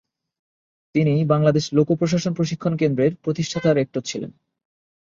তিনি বাংলাদেশ লোক প্রশাসন প্রশিক্ষণ কেন্দ্রের প্রতিষ্ঠাতা রেক্টর ছিলেন।